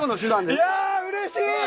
いやうれしい！